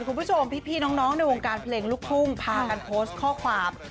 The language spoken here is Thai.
คุณผู้ชมพี่น้องในวงการเพลงลูกทุ่งพากันโพสต์ข้อความ